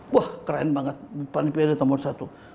wah keren banget panitiada nomor satu